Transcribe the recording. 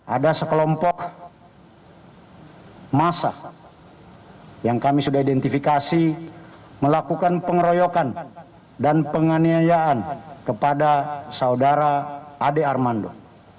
ada sekelompok masa yang kami sudah identifikasi melakukan pengeroyokan dan penganiayaan kepada saudara ade armando